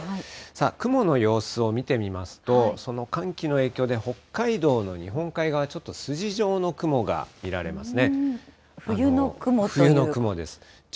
さあ、雲の様子を見てみますと、その寒気の影響で、北海道の日本海側、ちょっと筋状の雲が見られ冬の雲という。